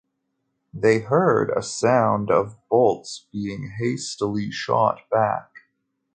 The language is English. They heard a sound of bolts being hastily shot back.